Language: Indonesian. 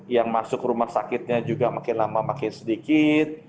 yang masuk rumah sakitnya juga makin lama makin sedikit